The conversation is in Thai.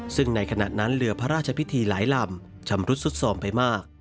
ซึ่งในขณะนั้นเรือพระราชพิธีหลายลำชำรุดสุดสมไปมาก